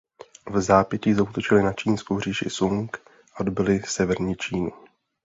Vzápětí zaútočili na čínskou říši Sung a dobyli severní Čínu.